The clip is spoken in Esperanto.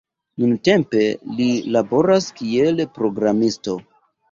Nuntempe li laboras kiel programisto.